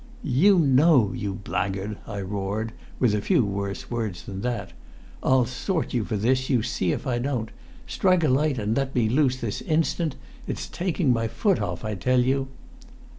"You know, you blackguard!" I roared, with a few worse words than that. "I'll sort you for this, you see if I don't! Strike a light and let me loose this instant! It's taking my foot off, I tell you!"